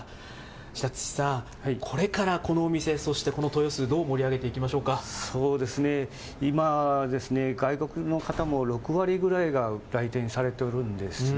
白土さん、これからこのお店、そしてこの豊洲、どう盛り上げてい今、外国の方も６割ぐらいが来店されておるんですね。